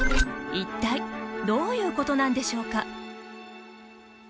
一体どういうことなんでしょうか。